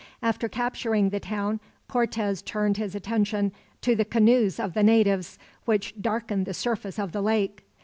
After capturing the town, Cortez turned his attention to the canoes of the natives, which darkened the surface of the lake.